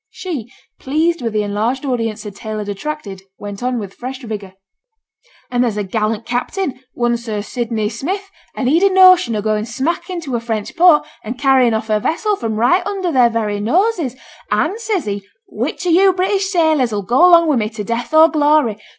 She, pleased with the enlarged audience her tale had attracted, went on with fresh vigour. 'An' there's a gallant captain, one Sir Sidney Smith, and he'd a notion o' goin' smack into a French port, an' carryin' off a vessel from right under their very noses; an' says he, "Which of yo' British sailors 'll go along with me to death or glory?"